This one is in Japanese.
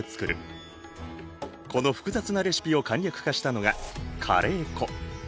この複雑なレシピを簡略化したのがカレー粉。